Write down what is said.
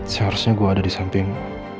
seharusnya gue ada di samping